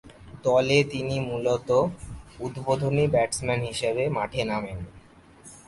দলে তিনি মূলতঃ উদ্বোধনী ব্যাটসম্যান হিসেবে মাঠে নামেন।